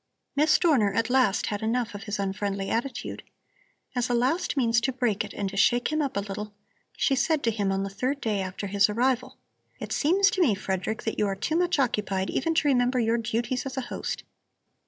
Miss Dorner at last had enough of his unfriendly attitude. As a last means to break it and to shake him up a little, she said to him on the third day after his arrival: "It seems to me, Frederick, that you are too much occupied even to remember your duties as a host.